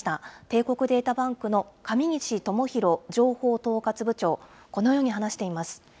帝国データバンクの上西伴浩情報統括部長、このように話しています。